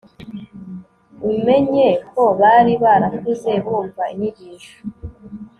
umenye ko bari barakuze bumva inyigisho